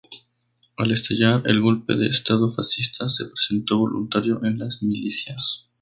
Al estallar el golpe de estado fascista se presentó voluntario en las milicias.